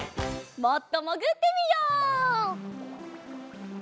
もっともぐってみよう！